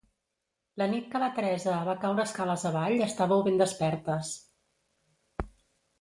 La nit que la Teresa va caure escales avall estàveu ben despertes.